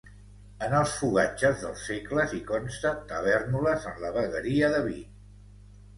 En els fogatges dels segles i consta Tavèrnoles en la vegueria de Vic.